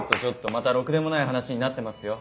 またろくでもない話になってますよ。